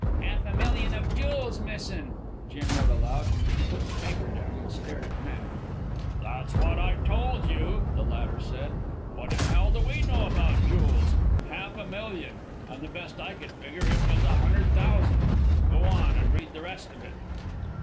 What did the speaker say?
"Half a million of jewels missin'," Jim read aloud. He put the paper down and stared at Matt. "That's what I told you," the latter said. "What in hell do we know about jools? Half a million! an' the best I could figger it was a hundred thousan'. Go on an' read the rest of it."